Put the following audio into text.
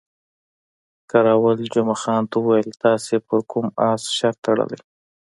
کراول جمعه خان ته وویل، تاسې پر کوم اس شرط تړلی؟